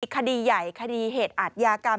คดีใหญ่คดีเหตุอาทยากรรม